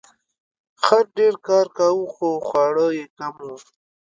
خر ډیر کار کاوه خو خواړه یې کم وو.